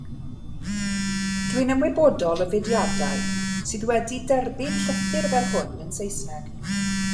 Dwi'n ymwybodol o fudiadau sydd wedi derbyn llythyr fel hwn yn Saesneg.